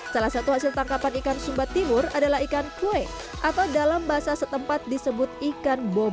salah satu hasil tangkapan ikan sumba timur adalah ikan kue atau dalam bahasa setempat disebut ikan bom